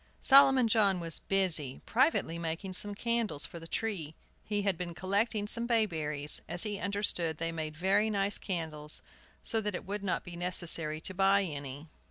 Solomon John was busy, privately making some candles for the tree. He had been collecting some bayberries, as he understood they made very nice candles, so that it would not be necessary to buy any.